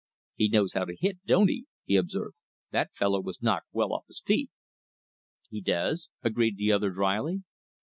"He knows how to hit, doesn't he!" he observed. "That fellow was knocked well off his feet." "He does," agreed the other dryly.